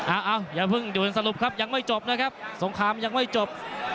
อ้าวอย่าเพิ่งด่วนสรุปครับยังไม่จบนะครับสงครามยังไม่จบ